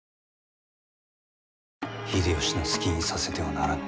秀吉の好きにさせてはならぬ。